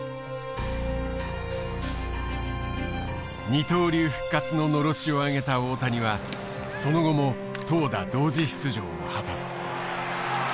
二刀流復活ののろしを上げた大谷はその後も投打同時出場を果たす。